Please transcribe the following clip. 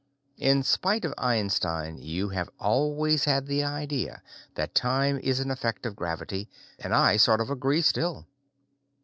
In spite of Einstein, you have always had the idea that time is an effect of gravity, and I sort of agree, still.